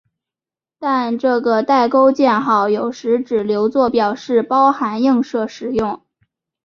但这个带钩箭号有时只留作表示包含映射时用。